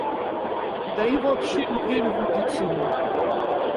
Да и вообще не верю в медицину.